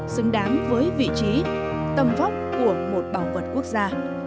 xứng đáng với vị trí tâm vóc của một bảo vật quốc gia